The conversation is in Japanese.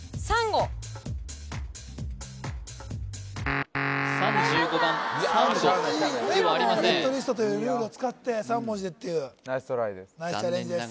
レッドリストというルールを使って３文字でっていうナイストライです